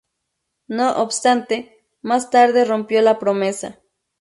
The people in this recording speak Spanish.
No obstante, más tarde rompió la promesa.